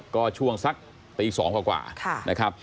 ก็ช่วงสักตี๒กว่านะครับ